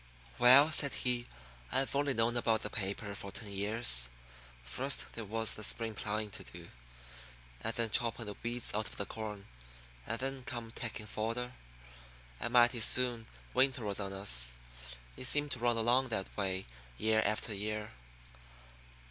"Well," said he, "I've only known about the paper for ten years. First there was the spring ploughin' to do, and then choppin' the weeds out of the corn; and then come takin' fodder; and mighty soon winter was on us. It seemed to run along that way year after year."